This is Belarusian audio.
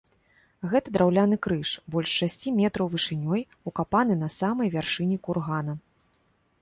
Гэта драўляны крыж, больш шасці метраў вышынёй, укапаны на самай вяршыні кургана.